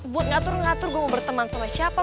buat ngatur ngatur gue mau berteman sama siapa